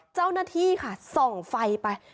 เจ้าหน้าที่ค่ะส่องไฟไป